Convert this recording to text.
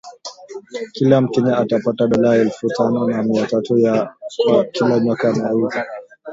Kila mkenya atapata dola elfu tano na mia tatu kwa kila nyoka anayeuza